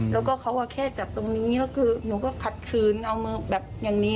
แล้วก็เขาแค่จับตรงนี้แล้วคือหนูก็ขัดคืนเอามาแบบอย่างนี้